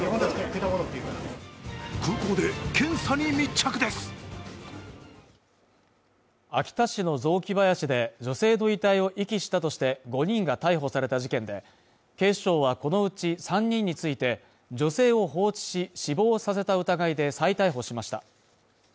光のキッチンザ・クラッソ秋田市の雑木林で女性の遺体を遺棄したとして５人が逮捕された事件で、警視庁はこのうち３人について、女性を放置し死亡させた疑いで再逮捕しました。